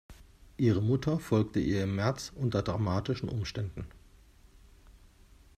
Ihre Mutter folgte ihr im März unter dramatischen Umständen.